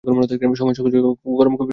সময়ের সঙ্গে সঙ্গে গরম কফি আরো গরম হবে না।